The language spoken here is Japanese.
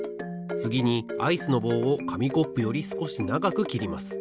つぎにアイスの棒をかみコップよりすこしながくきります。